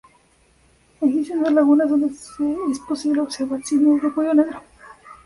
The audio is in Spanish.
Existen dos lagunas donde es posible observar cisnes de cuello negro.